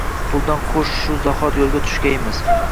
Puldan qo’sh, shu zahot yo’lga tushgaymiz.